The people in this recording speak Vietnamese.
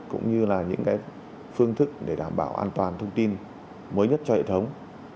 cũng như là những phương thức để đảm bảo an toàn thông tin mới nhất cho hệ thống